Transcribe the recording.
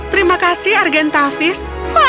terima kasih argentavis